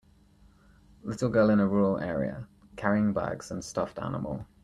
Little girl in rural area, carrying bags and stuffed animal.